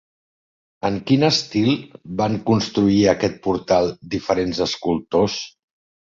En quin estil van construir aquest portal diferents escultors?